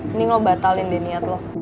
ini lo batalin deh niat lo